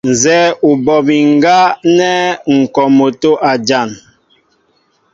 Nzɛ́ɛ́ ú bɔ mi ŋgá nɛ́ ŋ̀ kɔ motó a jan.